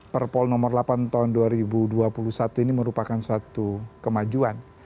perpol nomor delapan tahun dua ribu dua puluh satu ini merupakan suatu kemajuan